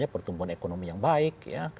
pertumbuhan ekonomi yang baik